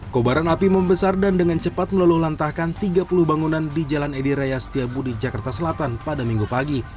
kobaran api membesar dan dengan cepat meluluhlantahkan tiga puluh bangunan di jalan edi raya setiabudi jakarta selatan pada minggu pagi